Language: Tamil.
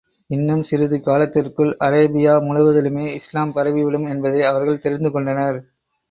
இன்னும் சிறிது காலத்திற்குள், அரேபியா முழுவதிலுமே இஸ்லாம் பரவி விடும் என்பதை அவர்கள் தெரிந்து கொண்டனர்.